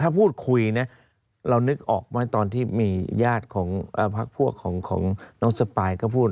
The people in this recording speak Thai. ถ้าพูดคุยนะเรานึกออกไหมตอนที่มีญาติของพักพวกของน้องสปายก็พูด